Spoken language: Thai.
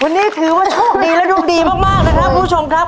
วันนี้ถือว่าโชคดีและดวงดีมากนะครับคุณผู้ชมครับ